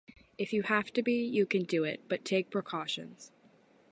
If you have to be, you can do it, but take precautions.